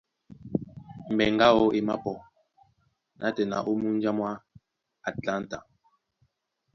Mbɛŋgɛ aó e mapɔ nátɛna ó múnja mwá Atlanta.